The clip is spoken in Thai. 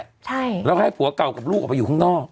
ใช่แล้วให้ผัวเก่ากับลูกออกไปอยู่ข้างนอก